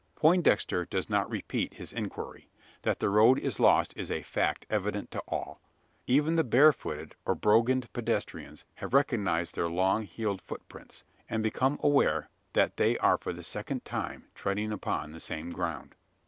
Poindexter does not repeat his inquiry. That the road is lost is a fact evident to all. Even the barefooted or "broganned" pedestrians have recognised their long heeled footprints, and become aware that they are for the second time treading upon the same ground.